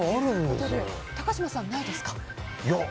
高嶋さん、ないですか？